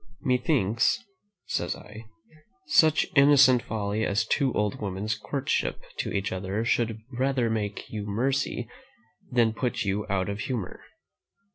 "Methinks," says I, "such innocent folly as two old women's courtship to each other should rather make you merry than put you out of humour."